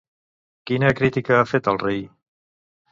Quina crítica ha fet al rei?